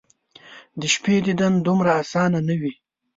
د شپې دیدن دومره اسانه ،نه وي